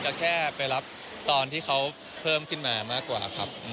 แค่ไปรับตอนที่เขาเพิ่มขึ้นมามากกว่าครับ